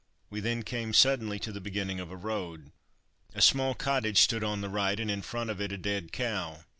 We then came suddenly to the beginning of a road. A small cottage stood on the right, and in front of it a dead cow.